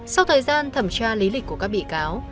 sau thời gian thẩm tra lý lịch của các bị cáo